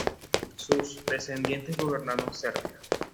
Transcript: Sus descendientes gobernaron Serbia.